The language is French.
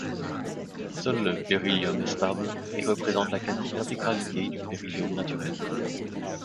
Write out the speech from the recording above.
Seul le Be est stable et représente la quasi-intégralité du béryllium naturel.